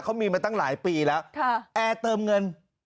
เขามีมาตั้งหลายปีแล้วแอร์เติมเงิน